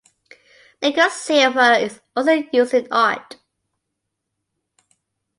Nickel silver is also used in art.